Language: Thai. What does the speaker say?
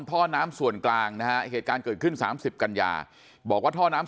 ท่อน้ำส่วนกลางนะฮะเหตุการณ์เกิดขึ้น๓๐กันยาบอกว่าท่อน้ำ